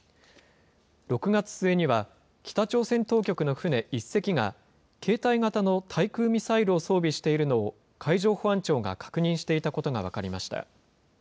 ６月末には、北朝鮮当局の船１隻が、携帯型の対空ミサイルを装備しているのを海上保安庁が確認していたことが分かりました。